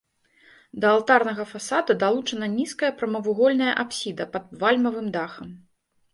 Да алтарнага фасада далучана нізкая прамавугольная апсіда пад вальмавым дахам.